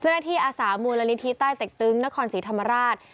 เจ้าหน้าที่อาสามูลนิธิใต้เต็กตึงนครศรีธรรมราช